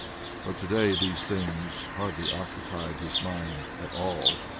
But to day these things hardly occupied his mind at all.